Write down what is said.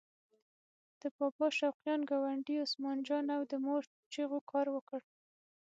د بابا شوقیانو ګاونډي عثمان جان او د مور چغو کار وکړ.